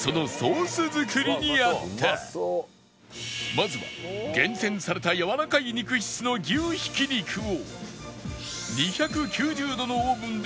まずは厳選されたやわらかい肉質の牛挽き肉を